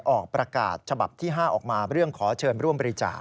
ออกประกาศฉบับที่๕ออกมาเรื่องขอเชิญร่วมบริจาค